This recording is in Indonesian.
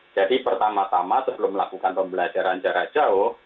jadi pertama tama sebelum melakukan pembelajaran jarak jauh